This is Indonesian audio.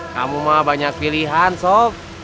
kamu mah banyak pilihan so